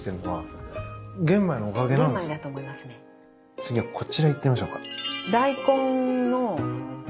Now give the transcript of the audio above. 次はこちらいってみましょうか。